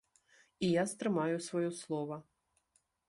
І я стрымаю сваё слова.